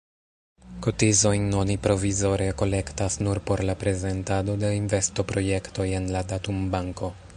Kotizojn oni provizore kolektas nur por la prezentado de investoprojektoj en la datumbanko.